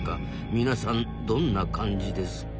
皆さんどんな感じですか？